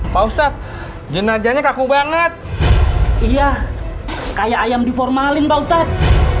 pak ustadz jenajahnya kaku banget iya kayak ayam diformalin pak ustadz